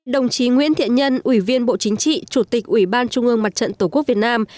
đồng chí nguyễn thiện nhân ủy viên bộ chính trị chủ tịch ủy ban trung ương mặt trận tổ quốc việt nam